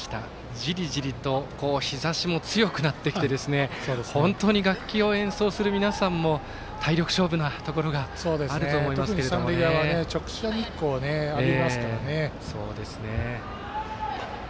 じりじりと日ざしも強くなってきて本当に楽器を演奏する皆さんも体力勝負なところが特に三塁側は直射日光を浴びますからね。